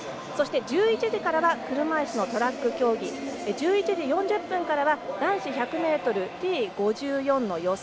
１１時からは車いすのトラック競技１１時４０分からは男子１００ｍＴ５４の予選